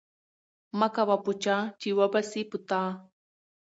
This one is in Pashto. مه کوه په چا، چي وبه سي په تا